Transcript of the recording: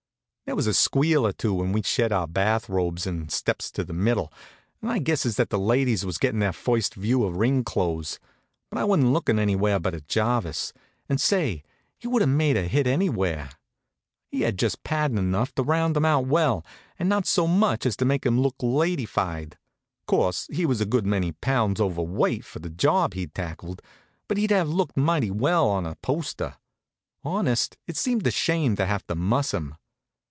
There was a squeal or two when we sheds our bath robes and steps to the middle, and I guesses that the ladies was gettin' their first view of ring clothes. But I wasn't lookin' anywhere but at Jarvis. And say, he would have made a hit anywhere. He had just paddin' enough to round him out well, and not so much as to make him look ladyfied. Course, he was a good many pounds over weight for the job he'd tackled, but he'd have looked mighty well on a poster. Honest, it seemed a shame to have to muss him.